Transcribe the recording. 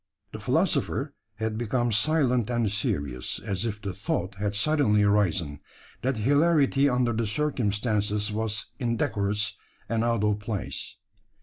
The philosopher had become silent and serious; as if the thought had suddenly arisen, that hilarity under the circumstances was indecorous and out of place.